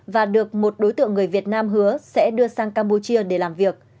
và được một đối tượng người việt nam hứa sẽ đưa sang campuchia để làm việc